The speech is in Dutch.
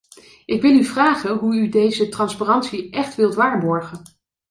Ik wil u vragen hoe u deze transparantie echt wilt waarborgen!